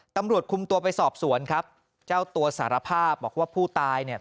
ตำรวจคุมตัวไปสอบสวนครับเจ้าตัวสารภาพบอกว่าผู้ตายเนี่ย